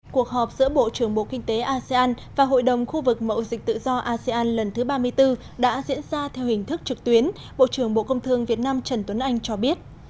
cuộc họp giữa bộ trưởng bộ kinh tế asean và hội đồng khu vực mậu dịch tự do asean lần thứ ba mươi bốn đã diễn ra theo hình thức trực tuyến bộ trưởng bộ công thương việt nam trần tuấn anh cho biết